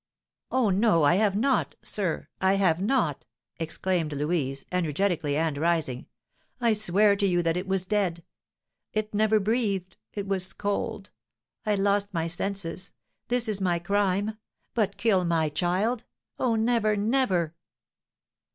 "Oh, no, I have not, sir! I have not!" exclaimed Louise, energetically, and rising; "I swear to you that it was dead. It never breathed, it was cold. I lost my senses, this is my crime. But kill my child! Oh, never, never!"